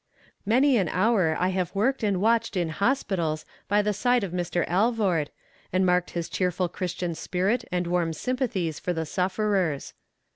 Many an hour I have worked and watched in hospitals by the side of Mr. Alvord, and marked his cheerful christian spirit and warm sympathies for the sufferers.